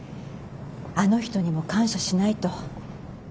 あの人にも感謝しないと。